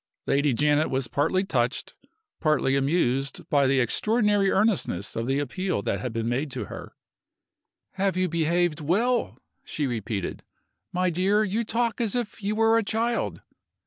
Lady Janet was partly touched, partly amused, by the extraordinary earnestness of the appeal that had been made to her. "Have you behaved well?" she repeated. "My dear, you talk as if you were a child!"